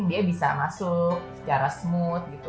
dia bisa masuk secara smooth gitu